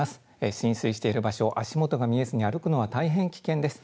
浸水している場所、足元が見えずに歩くのは大変危険です。